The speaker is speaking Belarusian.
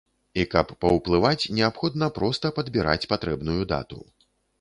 І каб паўплываць, неабходна проста падбіраць патрэбную дату.